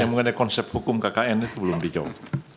mengenai konsep hukum kkn itu belum dijawab